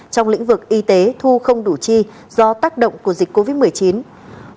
trong lĩnh vực y tế thu không đủ chi do tác động của dịch covid một mươi chín